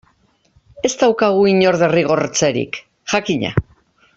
Ez daukazu inor derrigortzerik, jakina.